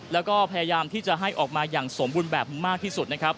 แล้วก็พยายามที่จะให้ออกมาอย่างสมบูรณ์แบบมากที่สุดนะครับ